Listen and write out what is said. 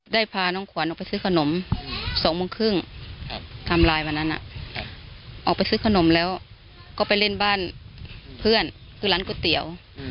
พาน้องขวัญออกไปซื้อขนม๒โมงครึ่งทำไลน์วันนั้นออกไปซื้อขนมแล้วก็ไปเล่นบ้านเพื่อนคือร้านก๋วยเตี๋ยว